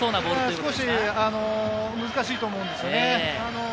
少し難しいと思うんですよね。